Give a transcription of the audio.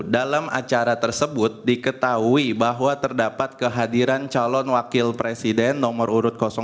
dalam acara tersebut diketahui bahwa terdapat kehadiran calon wakil presiden nomor urut dua